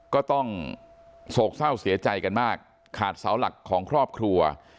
ก็ต้องโศกเศร้าเสียใจกันมากขาดเสาหลักของครอบครัว